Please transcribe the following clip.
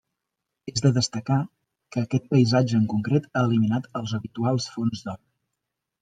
És de destacar que aquest paisatge en concret ha eliminat els habituals fons d'or.